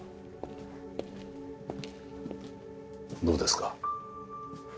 どうですか？